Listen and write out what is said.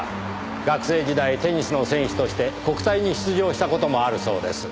学生時代テニスの選手として国体に出場した事もあるそうです。